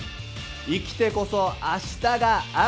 生きてこそ明日がある。